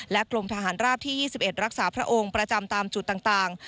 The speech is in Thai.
กรมทหารราบที่๒๑รักษาพระองค์ประจำตามจุดต่าง